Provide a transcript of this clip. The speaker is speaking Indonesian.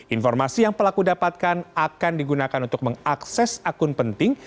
informasi yang pelaku dapatkan akan digunakan untuk mengakses akun penting